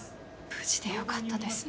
無事でよかったですね。